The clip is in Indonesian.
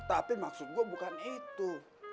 tapi maksud gue bukan itu